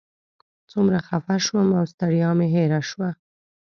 څومره خفه شوم او ستړیا مې هېره شوه.